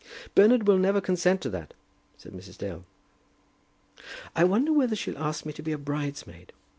"Bernard will never consent to that," said Mrs. Dale. "I wonder whether she'll ask me to be a bridesmaid?"